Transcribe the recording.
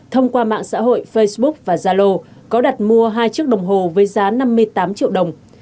thông qua mạng xã hội facebook và zalo có đặt mua hai chiếc đồng hồ với giá năm mươi tám triệu đồng